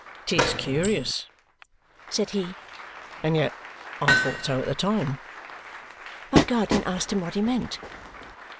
"'Tis curious," said he. "And yet I thought so at the time!" My guardian asked him what he meant.